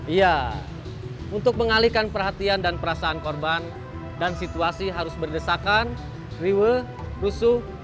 iya untuk mengalihkan perhatian dan perasaan korban dan situasi harus berdesakan riwe rusuh